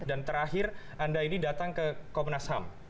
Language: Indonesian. dan terakhir anda ini datang ke komnas ham